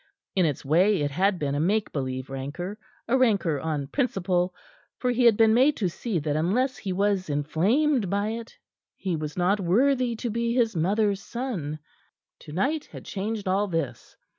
In its way it had been a make believe rancor, a rancor on principle, for he had been made to see that unless he was inflamed by it, he was not worthy to be his mother's son. Tonight had changed all this.